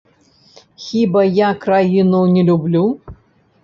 Хіба я краіну не люблю?